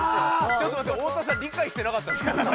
ちょっと待って太田さん理解してなかったんですか？